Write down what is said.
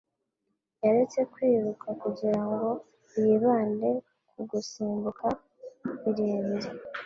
Yaretse kwiruka kugirango yibande ku gusimbuka birebire